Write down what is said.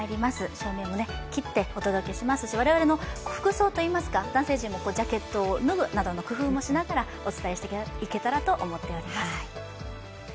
照明も切ってお届けしますし我々の服装も男性陣もジャケットを脱ぐなど工夫もしながらお伝えしていけたらと思っています。